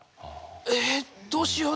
えっどうしよう？